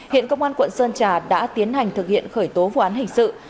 hiện công an quận sơn trà đã tiến hành thực hiện khởi tố vụ án hình sự